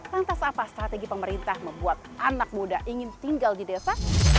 lantas apa strategi pemerintah membuat anak muda ingin tinggal di desa